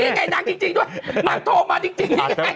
ยังไงนางจริงด้วยนางโทรมาจริงนี่ไง